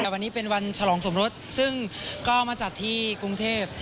แต่วันนี้เป็นวันฉลองสมรสซึ่งก็มาจัดที่กรุงเทพ